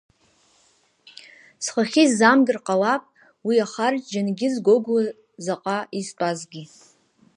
Схахьы исзаамгар ҟалап уи ахарџь Џьынгьыз Гогәуа заҟа изтәазгьы.